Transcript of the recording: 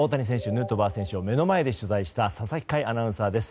ヌートバー選手を目の前で取材した佐々木快アナウンサーです。